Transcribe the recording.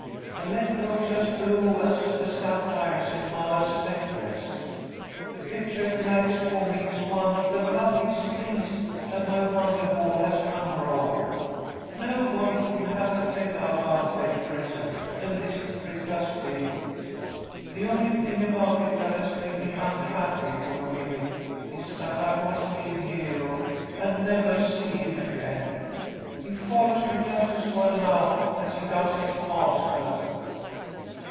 The lake looks as blue as the sapphires in mothah's necklace. The pictuah it makes for me is one of the loveliest things that my wondah ball has unrolled. Nobody could have a bettah birthday present than this trip has been. The only thing about it that has made me unhappy for a minute is that I must leave Hero and nevah see him again. He follows me just as well now as he does his mastah."